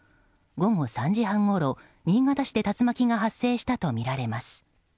午後３時半ごろ、新潟市で竜巻が発生したとみられます。